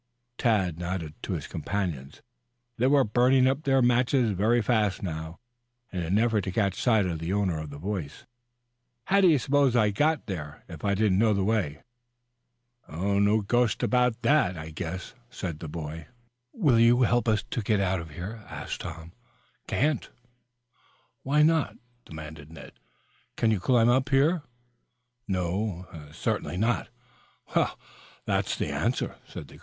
Tad nodded to his companions. They were burning up their matches very fast now in an effort to catch sight of the owner of the voice. "How did you suppose I got there if I didn't know the way?" "No ghost about that, I guess," said the boy. "Will you help us to get out of here?" asked Tom. "Can't." "Why not?" demanded Ned. "Can you climb up here?" "No, certainly not." "Well, that's the answer."